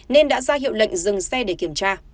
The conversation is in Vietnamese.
nên đã ra hiệu lệnh dừng xe để kiểm tra